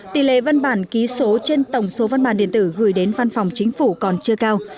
tỷ lệ văn bản ký số trên tổng số văn bản điện tử gửi đến văn phòng chính phủ còn chưa cao